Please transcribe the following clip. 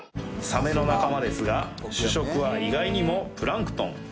サメの仲間ですが主食は意外にもプランクトン